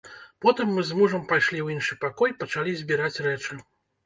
Потым мы з мужам пайшлі ў іншы пакой, пачалі збіраць рэчы.